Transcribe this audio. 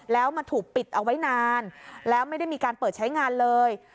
แล้วมันถูกปิดเอาไว้นานแล้วไม่ได้มีการเปิดใช้งานเลย